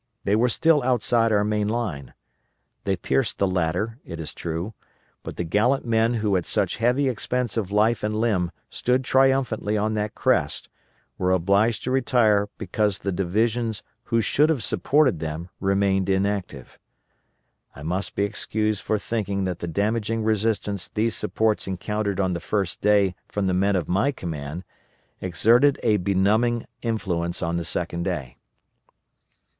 They were still outside our main line. They pierced the latter it is true, but the gallant men who at such heavy expense of life and limb stood triumphantly on that crest were obliged to retire because the divisions which should have supported them remained inactive. I must be excused for thinking that the damaging resistance these supports encountered on the first day from the men of my command exerted a benumbing influence on the second day.